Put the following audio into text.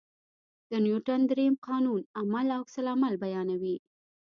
د نیوټن درېیم قانون عمل او عکس العمل بیانوي.